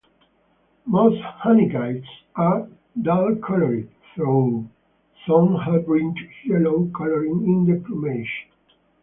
Most honeyguides are dull-colored, though some have bright yellow coloring in the plumage.